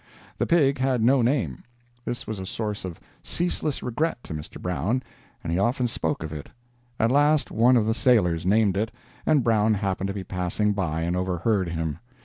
The pig had no name. This was a source of ceaseless regret to Mr. Brown, and he often spoke of it. At last one of the sailors named it, and Brown happened to be passing by and overheard him.